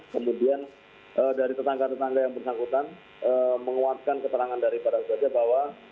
kemudian dari tetangga tetangga yang bersangkutan menguatkan keterangan dari para pekerja bahwa